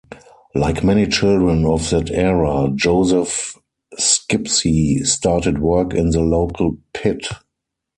Like many children of that era, Joseph Skipsey started work in the local pit.